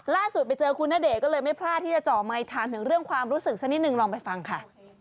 ล่าสุดไปเจอคุณณเดชน์ก็เลยไม่พลาดที่จะเจาะไมค์ถามถึงเรื่องความรู้สึกสักนิดนึงลองไปฟังค่ะ